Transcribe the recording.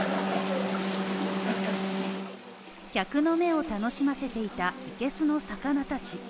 客の目を楽しませていた生けすの魚たち。